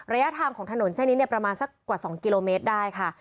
ระยะทางของถนนเส้นนี้เนี่ยประมาณสักกว่า๒กิโลเมตรได้ค่ะ